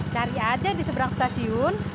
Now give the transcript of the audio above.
cari aja di seberang stasiun